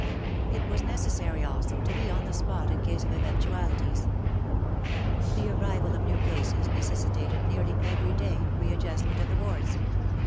It was necessary also to be on the spot in case of eventualities. The arrival of new cases necessitated nearly every day re adjustment of the wards.